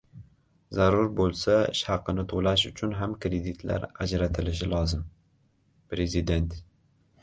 Zarur bo‘lsa, ish haqini to‘lash uchun ham kreditlar ajratilishi lozim – Prezident